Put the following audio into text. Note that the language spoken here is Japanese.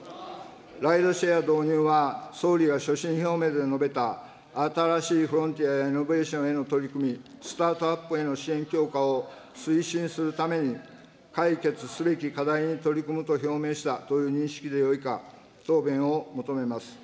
ライドシェア導入は、総理が所信表明で述べた、新しいフロンティアやイノベーションへの取り組み、スタートアップへの支援強化を推進するために解決すべき課題に取り組むと表明したという認識でよいか、答弁を求めます。